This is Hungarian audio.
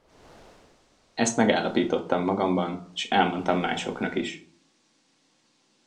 Ezt megállapítottam magamban, s elmondtam másoknak is.